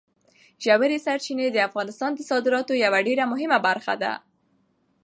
ژورې سرچینې د افغانستان د صادراتو یوه ډېره مهمه برخه ده.